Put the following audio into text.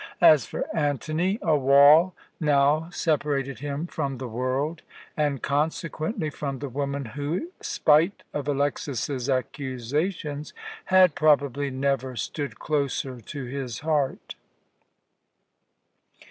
As for Antony, a wall now separated him from the world, and consequently from the woman who, spite of Alexas's accusations, had probably never stood closer to his heart.